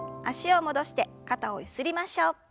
脚を戻して肩をゆすりましょう。